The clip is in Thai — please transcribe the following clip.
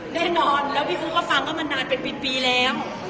แน่นอนแล้วพี่อู๋ก็ฟังเขามานานเป็นปีแล้ว